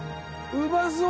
うまそう！